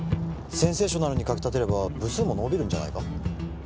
センセーショナルに書き立てれば部数も伸びるんじゃないか？